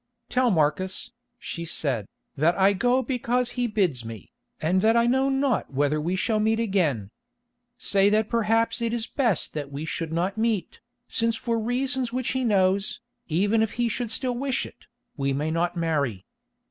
"Tell Marcus," she said, "that I go because he bids me, and that I know not whether we shall meet again. Say that perhaps it is best that we should not meet, since for reasons which he knows, even if he should still wish it, we may not marry.